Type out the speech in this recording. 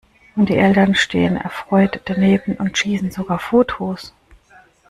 Und die Eltern stehen erfreut daneben und schießen sogar Fotos!